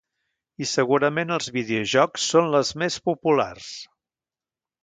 I segurament els videojocs són les més populars.